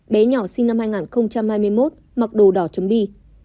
bé nhỏ sinh năm hai nghìn hai mươi một mặc đồ đỏ chấm bi